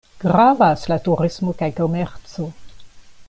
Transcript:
Gravas la turismo kaj komerco.